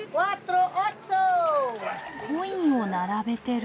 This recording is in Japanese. コインを並べてる。